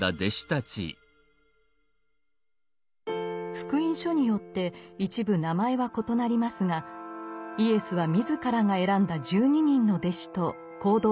「福音書」によって一部名前は異なりますがイエスは自らが選んだ十二人の弟子と行動を共にしました。